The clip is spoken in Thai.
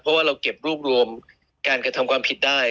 เพราะว่าเราเก็บรวบรวมการกระทำความผิดได้